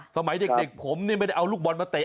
สมัยเด็กผมนี่ไม่ได้เอาลูกบอลมาเตะ